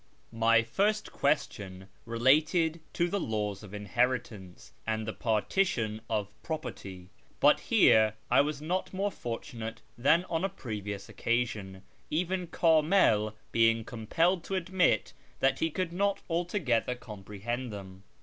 My first question related to the laws of inheritance and the partition of property, but here I was not more fortunate than on a previous occasion, even Kumil being compelled to admit that he could not altogether comprehend them.